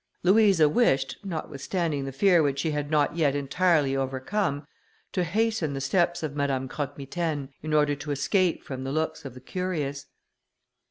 Louisa wished, notwithstanding the fear which she had not yet entirely overcome, to hasten the steps of Madame Croque Mitaine, in order to escape from the looks of the curious.